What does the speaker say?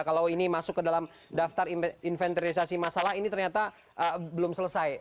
kalau ini masuk ke dalam daftar inventarisasi masalah ini ternyata belum selesai